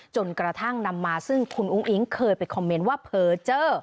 จนกระทั่งนำมาซึ่งคุณอุ้งอิ๊งเคยไปคอมเมนต์ว่าเผลอเจอ